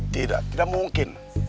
tidak tidak mungkin